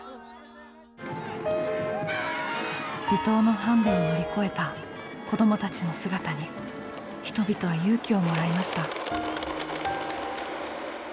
離島のハンデを乗り越えた子どもたちの姿に人々は勇気をもらいました。